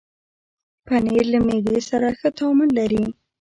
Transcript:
پنېر له معدې سره ښه تعامل لري.